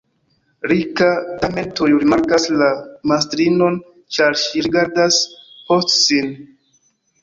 Rika tamen tuj rimarkas la mastrinon, ĉar ŝi rigardas post sin.